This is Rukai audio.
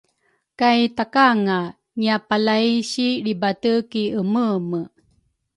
kay takanga ngiapalay si lribate ki emeeme.